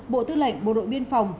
bộ tư lệnh bộ đội biên phòng